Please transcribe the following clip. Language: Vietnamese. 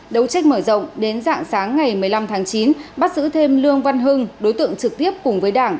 đấu trách mở rộng đến dạng sáng ngày một mươi năm tháng chín bắt giữ thêm lương văn hưng đối tượng trực tiếp cùng với đảng